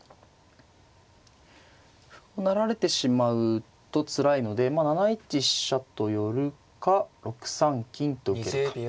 歩を成られてしまうとつらいのでまあ７一飛車と寄るか６三金と受けるか。